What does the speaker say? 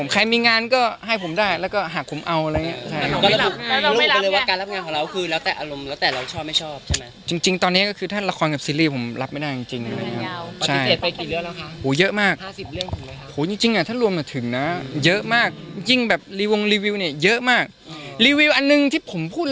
คงมีแหละแต่ตอนนี้ผมยังอยากอยู่กับแม่ผมอยู่